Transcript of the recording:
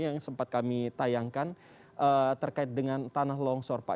yang sempat kami tayangkan terkait dengan tanah longsor pak